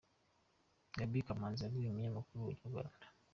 Gaby Kamanzi yabwiye umunyamakuru wa Inyarwanda.